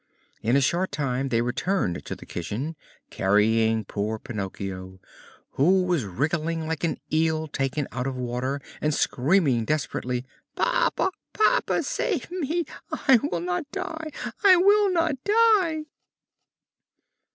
In a short time they returned to the kitchen carrying poor Pinocchio, who was wriggling like an eel taken out of water and screaming desperately: "Papa! papa! save me! I will not die, I will not die!"